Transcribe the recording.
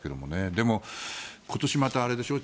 でも、今年またあれでしょう。